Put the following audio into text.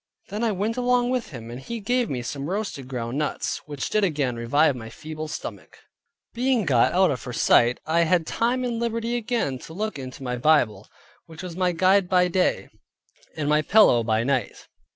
Then I went along with him, and he gave me some roasted ground nuts, which did again revive my feeble stomach. Being got out of her sight, I had time and liberty again to look into my Bible; which was my guide by day, and my pillow by night.